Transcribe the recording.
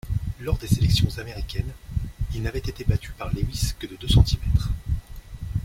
Lors des sélections américaines, il n'avait été battu par Lewis que de deux centimètres.